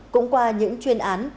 cũng qua những chuyên án